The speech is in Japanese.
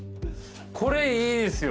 これいいですよ。